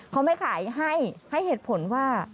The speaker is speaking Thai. เขาไม่ขายให้ให้เหตุผลว่า